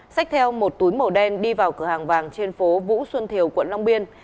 xách theo một túi màu đen đi vào cửa hàng vàng trên phố vũ xuân thiều quận long biên